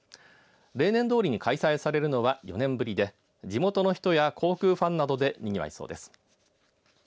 例年どおりに開催されるのは４年ぶりで地元の人や航空ファンなどでにぎわいそうです。